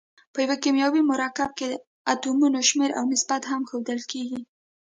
په یو کیمیاوي مرکب کې اتومونو شمیر او نسبت هم ښودل کیږي.